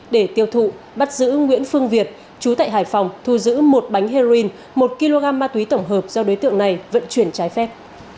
để tiêu thụ bắt giữ nguyễn phương việt chú tại hải phòng thu giữ một bánh heroin một kg ma túy tổng hợp do đối tượng này vận chuyển trái phép